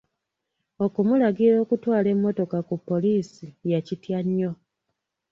Okumulagira okutwala emmotoka ku poliisi yakitya nnyo.